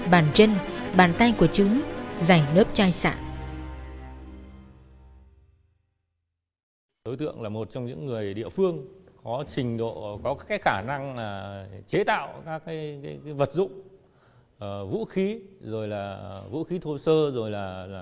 bàn chân bàn tay của chứ dành lớp chai sạ